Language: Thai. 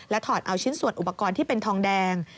ถอดเอาชิ้นส่วนอุปกรณ์ที่เป็นทองแดง